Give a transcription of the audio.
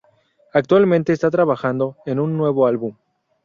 Actualmente, está trabajando en un nuevo álbum.